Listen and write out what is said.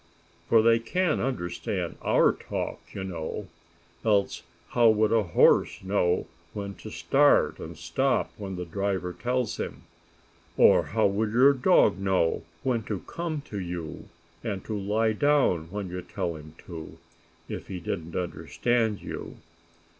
For they can understand our talk, you know. Else how would a horse know when to start and stop, when the driver tells him? Or how would your dog know when to come to you, and to lie down when you tell him to, if he didn't understand you?